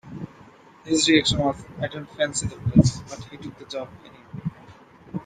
His reaction was: "I don't fancy the place," but he took the job, anyway.